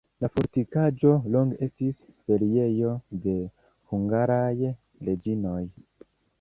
La fortikaĵo longe estis feriejo de hungaraj reĝinoj.